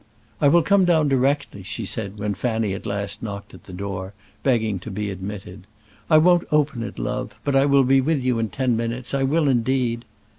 "I will come down directly," she said, when Fanny at last knocked at the door, begging to be admitted. "I won't open it, love, but I will be with you in ten minutes; I will, indeed."